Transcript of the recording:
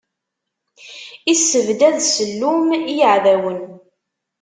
Issebdad ssellum i yeɛdawen.